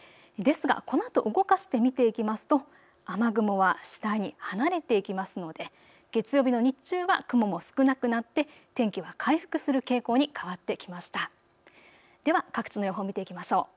ですがこのあと動かして見ていきますと雨雲は次第に離れていきますので月曜日の日中は雲も少なくなって天気は回復する傾向に変わってきました。